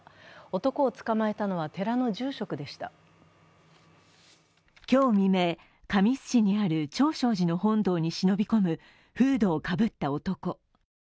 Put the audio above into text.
男を捕まえたのは、寺の住職でした今日未明、神栖市にある長照寺の本堂に忍び込むフードをかぶった男。